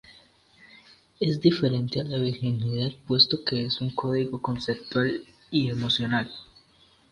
Es diferente a la virginidad, puesto que es un código conceptual y emocional.